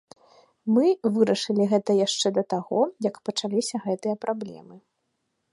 Мы вырашылі гэта яшчэ да таго, як пачаліся гэтыя праблемы.